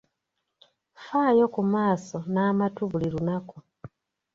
Faayo ku maaso n’amatu buli lunaku.